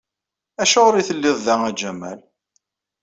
Acuɣer i telliḍ da a Jamal?